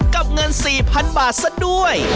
เงิน๔๐๐๐บาทซะด้วย